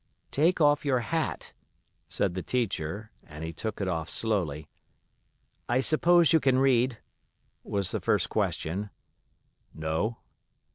"Take off your hat," said the teacher, and he took it off slowly. "I suppose you can read?" was the first question. "No."